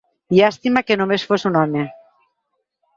Llàstima que només fos un home.